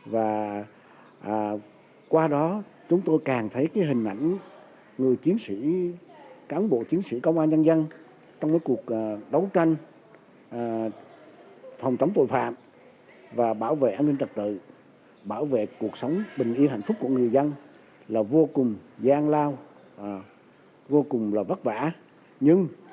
và qua đó chúng tôi càng thấy cái hình ảnh người chiến sĩ cán bộ chiến sĩ công an nhân dân